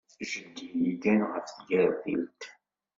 Jeddi yeggan ɣef tgertilt.